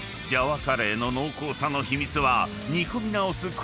ジャワカレーの濃厚さの秘密は煮込み直す